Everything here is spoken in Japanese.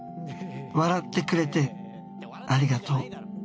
笑ってくれてありがとう。